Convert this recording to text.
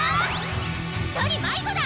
１人迷子だ！